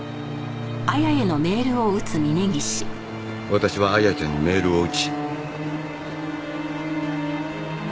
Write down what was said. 私は綾ちゃんにメールを打ち。